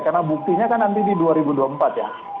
karena buktinya kan nanti di dua ribu dua puluh empat ya